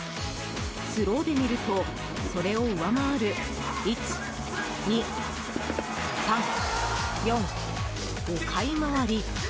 スローで見ると、それを上回る１、２、３、４、５回回り。